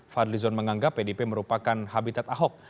fadlizon menganggap pdip merupakan habitat ahok